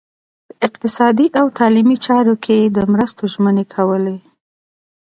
په اقتصادي او تعلیمي چارو کې د مرستو ژمنې کولې.